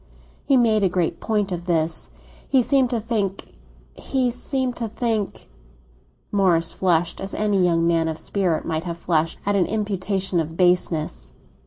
He made a great point of this. He seemed to think—he seemed to think—" Morris flushed, as any young man of spirit might have flushed at an imputation of baseness.